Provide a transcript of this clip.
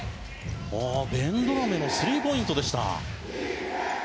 ベンドラメのスリーポイントでした。